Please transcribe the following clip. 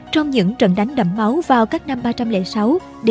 trong những trận đánh đậm máu vào các năm trước